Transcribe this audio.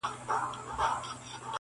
بیا به خامخا یوه توره بلا وي,